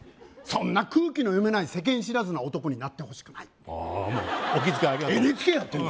そんな空気の読めない世間知らずな男になってほしくないああお気遣いありがとう